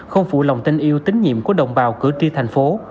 không phụ lòng tin yêu tín nhiệm của đồng bào cử tri thành phố